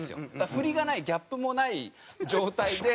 振りがないギャップもない状態で。